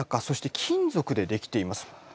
そして金属で出来ています。